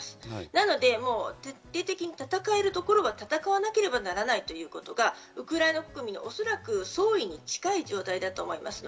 なので徹底的に戦えるところは戦わなければならないということがウクライナ国民のおそらく総意に近い状態だと思います。